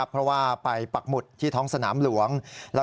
เพราะว่าไปปักหมุดที่ท้องสนามหลวง